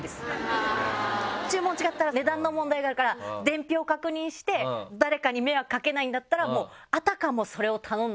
注文違ったら値段の問題があるから伝票を確認して誰かに迷惑かけないんだったら。